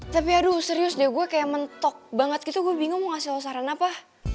tapi aduh serius deh gue kayak mentok banget gitu gue bingung mau ngasih saran apa